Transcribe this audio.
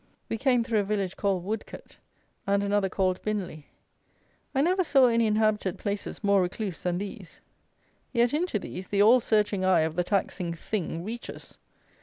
We came through a village called Woodcote, and another called Binley. I never saw any inhabited places more recluse than these. Yet into these the all searching eye of the taxing Thing reaches.